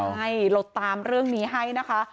ใช่เราตามเรื่องนี้ให้นะคะ